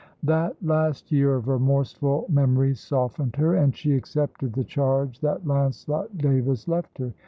That last year of remorseful memories softened her, and she accepted the charge that Lancelot Davis left her.